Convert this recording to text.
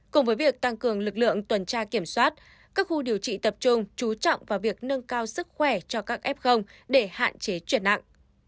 cùng với việc tăng cường lực lượng tuần tra kiểm soát các khu điều trị tập trung chú trọng vào việc nâng cao sức khỏe cho các f để hạn chế chuyển nặng